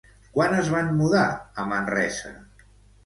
Quan es van mudar a Manresa?